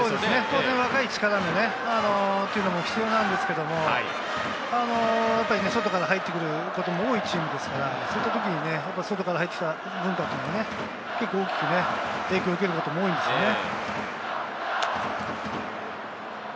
当然、若い力も必要なんですけど、やっぱり外から入ってくることも多いチームですから、そういったときに、外からの文化、結構大きく影響を受けることも多いですね。